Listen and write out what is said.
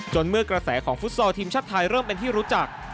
เมื่อกระแสของฟุตซอลทีมชาติไทยเริ่มเป็นที่รู้จัก